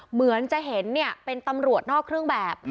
เหมือนจะเห็นเป็นตำรวจนอกเครื่องแบบ